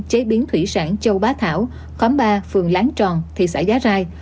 chế biến thủy sản châu bá thảo khóm ba phường láng tròn thị xã giá rai